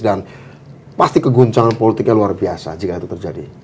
dan pasti keguncangan politiknya luar biasa jika itu terjadi